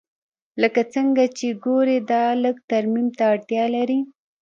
لکه څنګه چې ګورې دا لږ ترمیم ته اړتیا لري